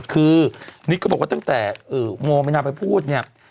คือนิศก็บอกว่าตั้งแต่โมมาพูด